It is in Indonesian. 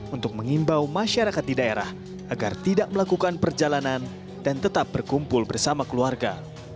untuk mengimbau masyarakat di daerah agar tidak melakukan perjalanan dan tetap berkumpul bersama keluarga